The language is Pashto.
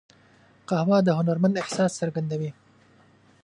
قهوه د هنرمند احساس څرګندوي